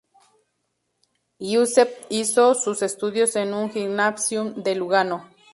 Giuseppe hizo sus estudios en un gymnasium de Lugano.